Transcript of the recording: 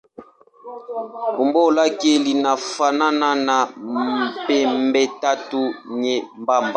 Umbo lake linafanana na pembetatu nyembamba.